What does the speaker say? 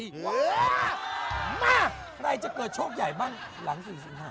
มากใครจะเกิดโชคใหญ่บ้างหลัง๔สิงหา